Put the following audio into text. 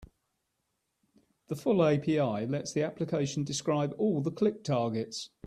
The full API lets the application describe all the click targets.